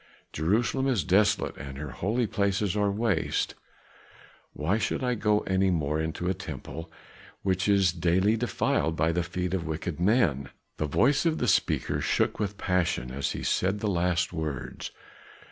Jerusalem is desolate and her holy places are waste. Why should I go any more into a temple which is daily defiled by the feet of wicked men?" The voice of the speaker shook with passion as he said the last words.